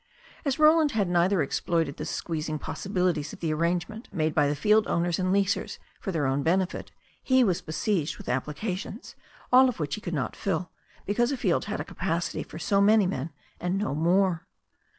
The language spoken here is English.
As Roland had never exploited the squeez ing possibilities of the arrangement made by the field owners and leasers for their own benefit, he was besieged with ap plications, all of which he could not fill, because a field had a capacity for so many men and no more.